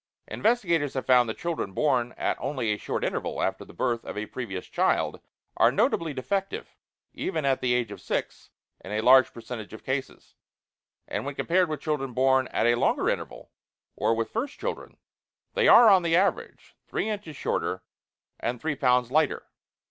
Investigators have found that children born at only a short interval after the birth of a previous child are notably defective, even at the age of six, in a large percentage of cases; and when compared with children born at a longer interval, or with first children, they are, on the average, three inches shorter and three pounds lighter.